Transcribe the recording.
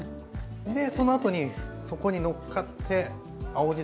でそのあとにそこにのっかって青じ